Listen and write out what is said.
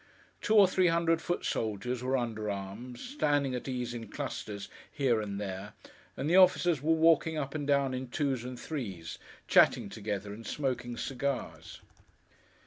Two or three hundred foot soldiers were under arms, standing at ease in clusters here and there; and the officers were walking up and down in twos and threes, chatting together, and smoking cigars.